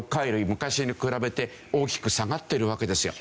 昔に比べて大きく下がってるわけですよ。